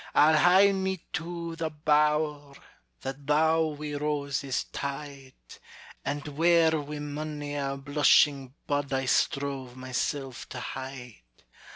I'll hie me to the bower That thou wi' roses tied, And where wi' mony a blushing bud I strove myself to hide.